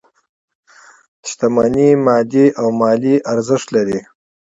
شتمني مادي او مالي ارزښت لري.